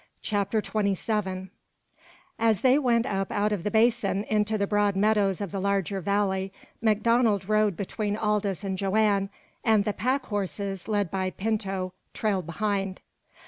CHAPTER XXVII As they went up out of the basin into the broad meadows of the larger valley, MacDonald rode between Aldous and Joanne, and the pack horses, led by Pinto, trailed behind.